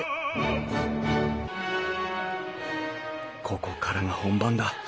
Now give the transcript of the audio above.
ここからが本番だ。